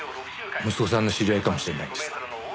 息子さんの知り合いかもしれないんですが。